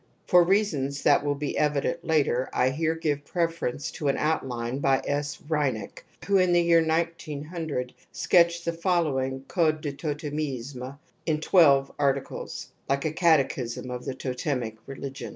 For reasons that will be evident later I here give preference to an outline by S. Reinach, who in the year 1900 sketched the following Code du Totemisme in twelve articles, like a catechism of the totemic religion 2 1 p.